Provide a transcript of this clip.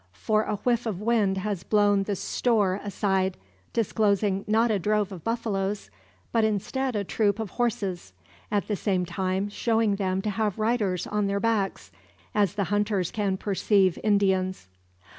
For a whiff of wind has blown the "stoor" aside, disclosing not a drove of buffaloes, but instead a troop of horses, at the same time showing them to have riders on their backs, as the hunters can perceive Indians.